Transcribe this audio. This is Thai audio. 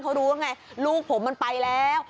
เขารู้ว่าไงลูกผมมันไปแล้ว